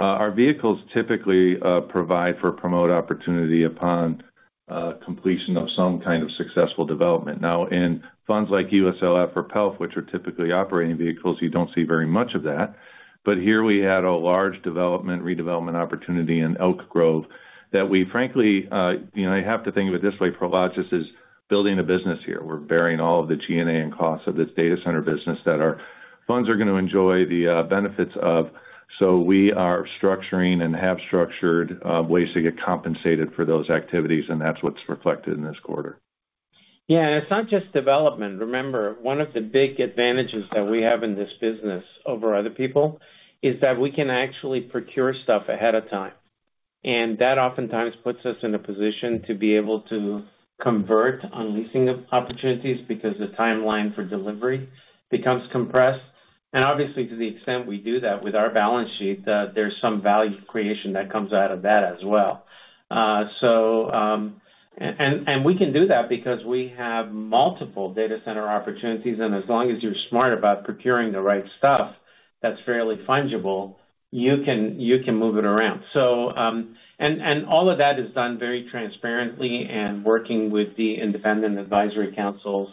Our vehicles typically provide for a promote opportunity upon completion of some kind of successful development. Now, in funds like USLF or PELF, which are typically operating vehicles, you don't see very much of that. But here we had a large development redevelopment opportunity in Elk Grove that we, frankly, I have to think of it this way, Prologis is building a business here. We're bearing all of the G&A and costs of this data center business that our funds are going to enjoy the benefits of. So we are structuring and have structured ways to get compensated for those activities, and that's what's reflected in this quarter. Yeah. And it's not just development. Remember, one of the big advantages that we have in this business over other people is that we can actually procure stuff ahead of time. And that oftentimes puts us in a position to be able to convert on leasing opportunities because the timeline for delivery becomes compressed. And obviously, to the extent we do that with our balance sheet, there's some value creation that comes out of that as well. And we can do that because we have multiple data center opportunities. And as long as you're smart about procuring the right stuff, that's fairly fungible. You can move it around. And all of that is done very transparently and working with the independent advisory councils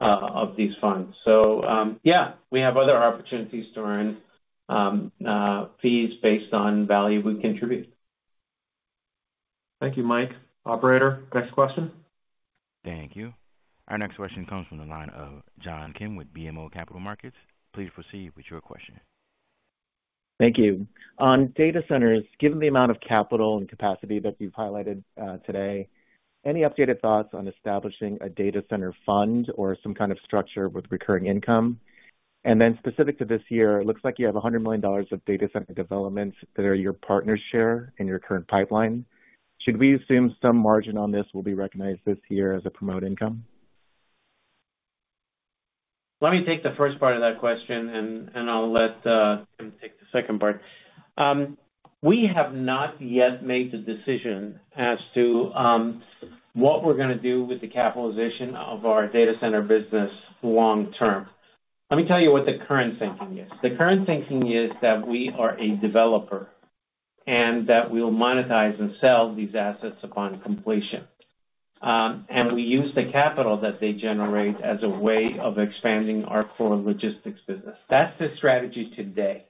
of these funds. So yeah, we have other opportunities to earn fees based on value we contribute. Thank you, Mike. Operator, next question. Thank you. Our next question comes from the line of John Kim with BMO Capital Markets. Please proceed with your question. Thank you. On data centers, given the amount of capital and capacity that you've highlighted today, any updated thoughts on establishing a data center fund or some kind of structure with recurring income? And then specific to this year, it looks like you have $100 million of data center developments that are your partner's share in your current pipeline. Should we assume some margin on this will be recognized this year as a promote income? Let me take the first part of that question, and I'll let Tim take the second part. We have not yet made the decision as to what we're going to do with the capitalization of our data center business long term. Let me tell you what the current thinking is. The current thinking is that we are a developer and that we will monetize and sell these assets upon completion, and we use the capital that they generate as a way of expanding our core logistics business. That's the strategy today.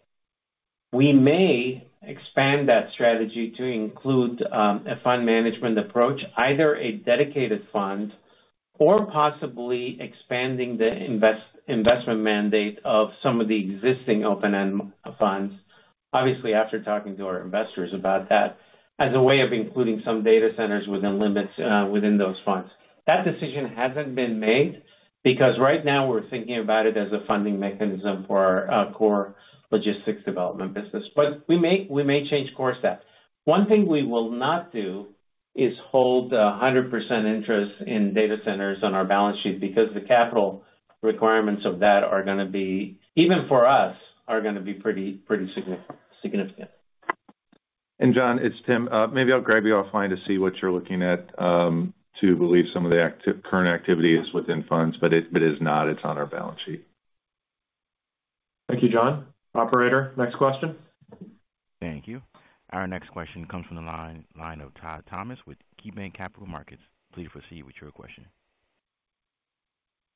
We may expand that strategy to include a fund management approach, either a dedicated fund or possibly expanding the investment mandate of some of the existing open-end funds, obviously after talking to our investors about that, as a way of including some data centers within limits within those funds. That decision hasn't been made because right now we're thinking about it as a funding mechanism for our core logistics development business. But we may change course on that. One thing we will not do is hold 100% interest in data centers on our balance sheet because the capital requirements of that are going to be, even for us, pretty significant. John, it's Tim. Maybe I'll grab you offline to see what you're looking at to believe some of the current activity is within funds, but it is not. It's on our balance sheet. Thank you, John. Operator, next question. Thank you. Our next question comes from the line of Todd Thomas with KeyBanc Capital Markets. Please proceed with your question.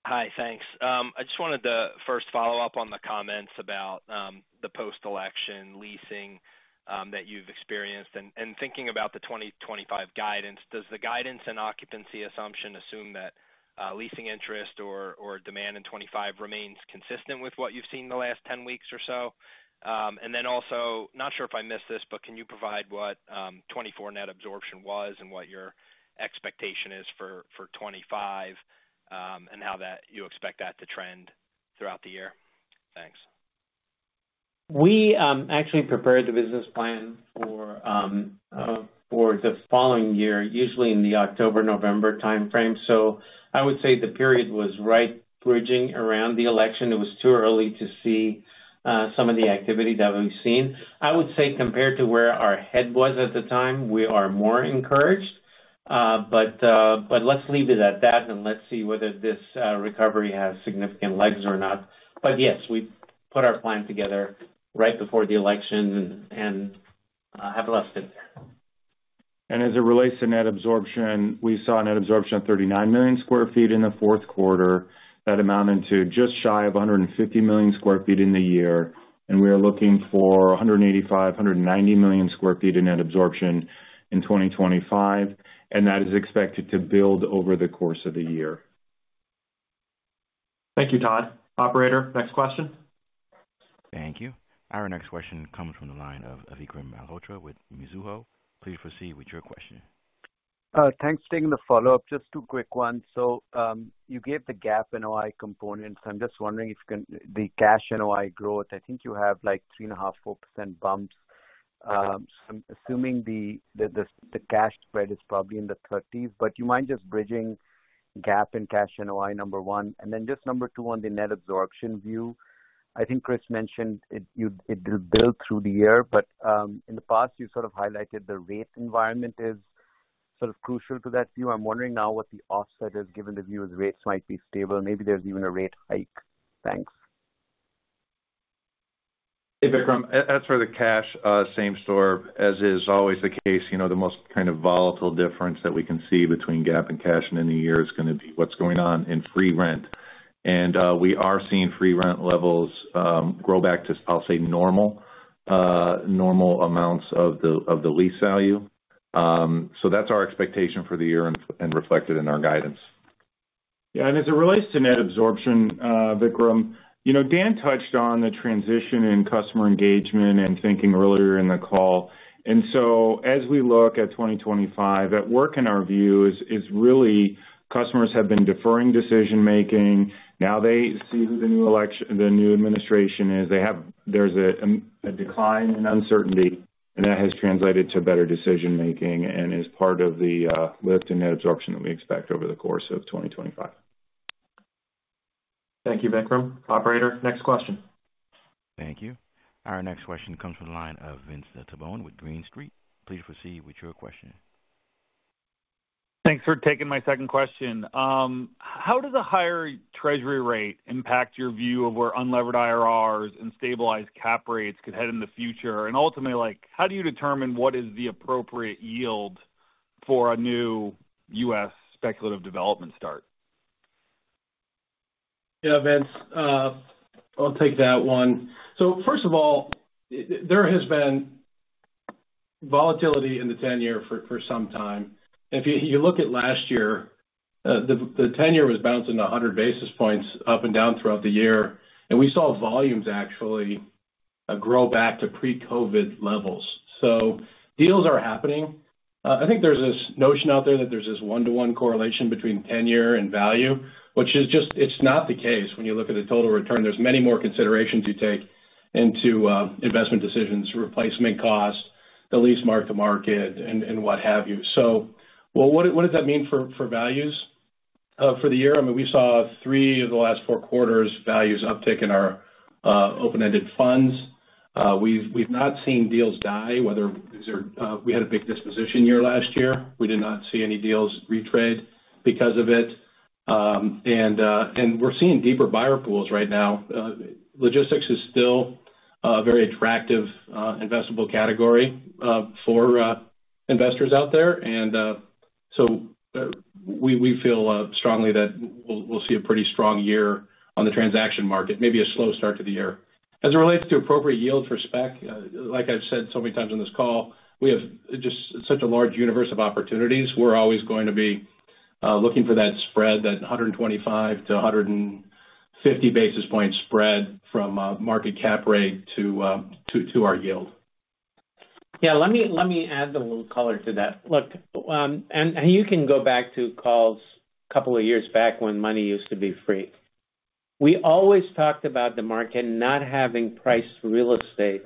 Hi, thanks. I just wanted to first follow up on the comments about the post-election leasing that you've experienced, and thinking about the 2025 guidance, does the guidance and occupancy assumption assume that leasing interest or demand in 2025 remains consistent with what you've seen the last 10 weeks or so, and then also, not sure if I missed this, but can you provide what 2024 net absorption was and what your expectation is for 2025 and how you expect that to trend throughout the year? Thanks. We actually prepared the business plan for the following year, usually in the October-November timeframe, so I would say the period was right bridging around the election. It was too early to see some of the activity that we've seen. I would say compared to where our head was at the time, we are more encouraged, but let's leave it at that and let's see whether this recovery has significant legs or not, but yes, we put our plan together right before the election and have a lot to do. As it relates to net absorption, we saw net absorption of 39 million sq ft in the fourth quarter. That amounted to just shy of 150 million sq ft in the year. We are looking for 185-190 million sq ft in net absorption in 2025. That is expected to build over the course of the year. Thank you, Todd. Operator, next question. Thank you. Our next question comes from the line of Vikram Malhotra with Mizuho. Please proceed with your question. Thanks for taking the follow-up. Just two quick ones. So you gave the gap in NOI components. I'm just wondering if the cash and NOI growth, I think you have like 3.5%-4% bumps. So I'm assuming the cash spread is probably in the 30s. But would you mind just bridging the gap in cash and NOI, number one? And then just number two on the net absorption view, I think Chris mentioned it will build through the year. But in the past, you sort of highlighted the rate environment is sort of crucial to that view. I'm wondering now what the offset is given the view as rates might be stable. Maybe there's even a rate hike. Thanks. Hey, Vikram. As for the cash same store. As is always the case, the most kind of volatile difference that we can see between GAAP and cash in any year is going to be what's going on in free rent. And we are seeing free rent levels grow back to, I'll say, normal amounts of the lease value. So that's our expectation for the year and reflected in our guidance. Yeah. And as it relates to net absorption, Vikram, Dan touched on the transition in customer engagement and thinking earlier in the call. And so as we look at 2025, what's at work in our view is really customers have been deferring decision-making. Now they see who the new administration is. There's a decline in uncertainty, and that has translated to better decision-making and is part of the lift in net absorption that we expect over the course of 2025. Thank you, Vikram. Operator, next question. Thank you. Our next question comes from the line of Vincent Tabone with Green Street. Please proceed with your question. Thanks for taking my second question. How does a higher Treasury rate impact your view of where unlevered IRRs and stabilized cap rates could head in the future, and ultimately, how do you determine what is the appropriate yield for a new US speculative development start? Yeah, Vince, I'll take that one. So first of all, there has been volatility in the 10-year for some time. If you look at last year, the 10-year was bouncing 100 basis points up and down throughout the year. And we saw volumes actually grow back to pre-COVID levels. So deals are happening. I think there's this notion out there that there's this one-to-one correlation between 10-year and value, which is just, it's not the case when you look at the total return. There's many more considerations you take into investment decisions, replacement cost, the lease mark-to-market, and what have you. So what does that mean for values for the year? I mean, we saw three of the last four quarters values uptick in our open-ended funds. We've not seen deals die, whether we had a big disposition year last year. We did not see any deals retrade because of it, and we're seeing deeper buyer pools right now. Logistics is still a very attractive investable category for investors out there, and so we feel strongly that we'll see a pretty strong year on the transaction market, maybe a slow start to the year. As it relates to appropriate yield for spec, like I've said so many times on this call, we have just such a large universe of opportunities. We're always going to be looking for that spread, that 125-150 basis point spread from market cap rate to our yield. Yeah, let me add a little color to that. Look, and you can go back to calls a couple of years back when money used to be free. We always talked about the market not having priced real estate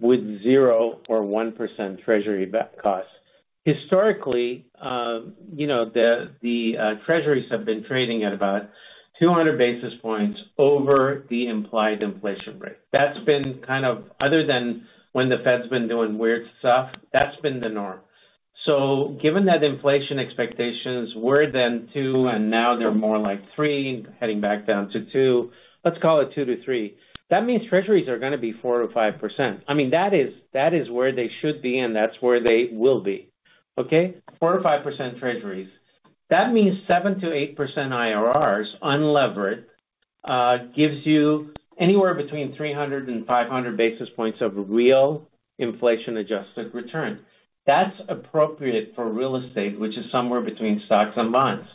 with zero or 1% Treasury costs. Historically, the Treasuries have been trading at about 200 basis points over the implied inflation rate. That's been kind of, other than when the Fed's been doing weird stuff, that's been the norm. So given that inflation expectations were then two, and now they're more like three, heading back down to two, let's call it two to three. That means Treasuries are going to be 4%-5%. I mean, that is where they should be, and that's where they will be. Okay? 4%-5% Treasuries. That means 7%-8% IRRs unlevered gives you anywhere between 300 and 500 basis points of real inflation-adjusted return. That's appropriate for real estate, which is somewhere between stocks and bonds.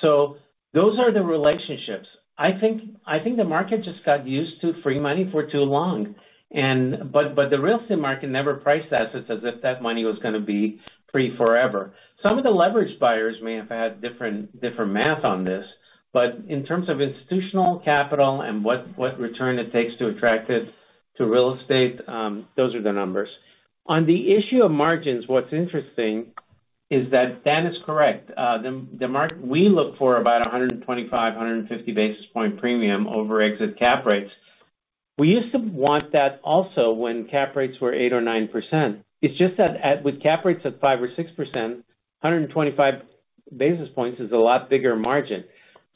So those are the relationships. I think the market just got used to free money for too long. But the real estate market never priced assets as if that money was going to be free forever. Some of the leveraged buyers may have had different math on this. But in terms of institutional capital and what return it takes to attract it to real estate, those are the numbers. On the issue of margins, what's interesting is that Dan is correct. We look for about 125-150 basis point premium over exit cap rates. We used to want that also when cap rates were 8% or 9%. It's just that with cap rates at 5% or 6%, 125 basis points is a lot bigger margin.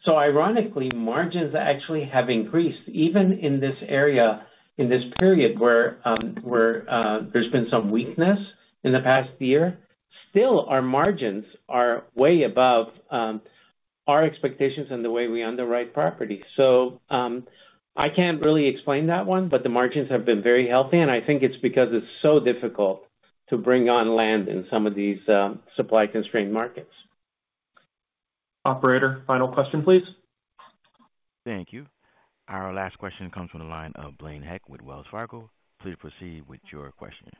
So ironically, margins actually have increased. Even in this area, in this period where there's been some weakness in the past year, still our margins are way above our expectations and the way we underwrite property. So I can't really explain that one, but the margins have been very healthy. And I think it's because it's so difficult to bring on land in some of these supply-constrained markets. Operator, final question, please. Thank you. Our last question comes from the line of Blaine Heck with Wells Fargo. Please proceed with your question.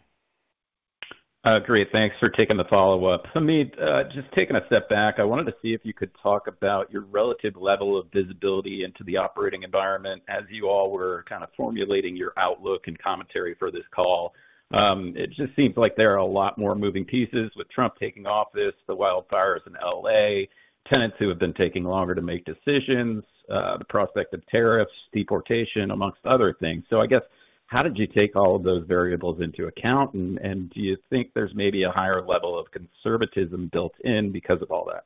Great. Thanks for taking the follow-up. I mean, just taking a step back, I wanted to see if you could talk about your relative level of visibility into the operating environment as you all were kind of formulating your outlook and commentary for this call. It just seems like there are a lot more moving pieces with Trump taking office, the wildfires in LA, tenants who have been taking longer to make decisions, the prospect of tariffs, deportation, amongst other things. So I guess, how did you take all of those variables into account? And do you think there's maybe a higher level of conservatism built in because of all that?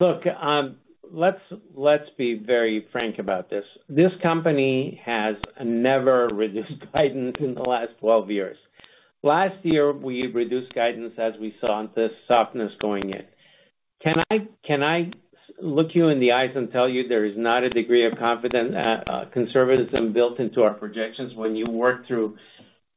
Look, let's be very frank about this. This company has never reduced guidance in the last 12 years. Last year, we reduced guidance as we saw this softness going in. Can I look you in the eyes and tell you there is not a degree of conservatism built into our projections when you work through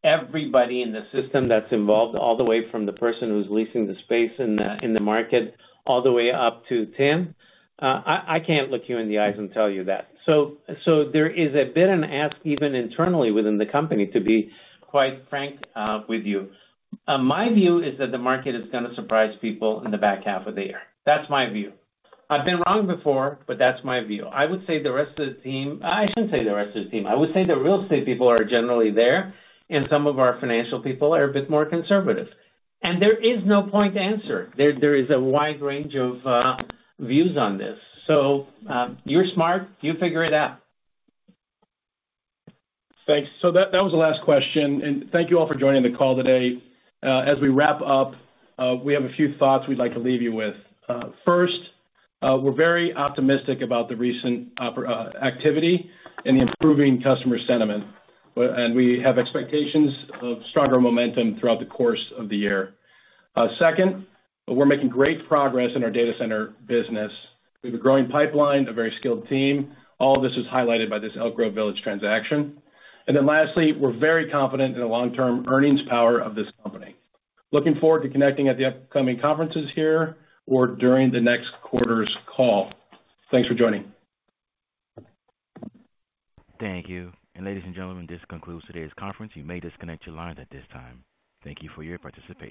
everybody in the system that's involved, all the way from the person who's leasing the space in the market all the way up to Tim? I can't look you in the eyes and tell you that. So there is a bit of an ask even internally within the company to be quite frank with you. My view is that the market is going to surprise people in the back half of the year. That's my view. I've been wrong before, but that's my view. I would say the rest of the team. I shouldn't say the rest of the team. I would say the real estate people are generally there, and some of our financial people are a bit more conservative. And there is no point to answer. There is a wide range of views on this. So you're smart. You figure it out. Thanks. So that was the last question. And thank you all for joining the call today. As we wrap up, we have a few thoughts we'd like to leave you with. First, we're very optimistic about the recent activity and the improving customer sentiment. And we have expectations of stronger momentum throughout the course of the year. Second, we're making great progress in our data center business. We have a growing pipeline, a very skilled team. All of this is highlighted by this Elk Grove Village transaction. And then lastly, we're very confident in the long-term earnings power of this company. Looking forward to connecting at the upcoming conferences here or during the next quarter's call. Thanks for joining. Thank you. And ladies and gentlemen, this concludes today's conference. You may disconnect your lines at this time. Thank you for your participation.